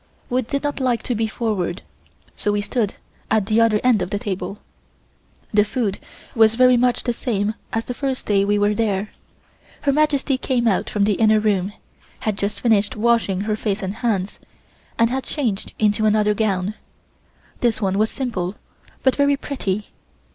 We did not like to be forward, so we stood at the other end of the table. The food was very much the same as the first day we were there. Her Majesty came out from the inner room, had just finished washing her face and hands, and had changed into another gown. This one was simple, but very pretty.